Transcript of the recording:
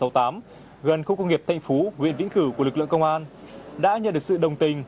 thành phố nguyễn vĩnh cử của lực lượng công an đã nhận được sự đồng tình